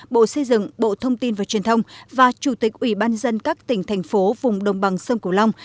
bộ xây dựng bộ thông tin và truyền thông và chủ tịch ủy ban dân các tỉnh thành phố vùng đồng bằng sông cổ long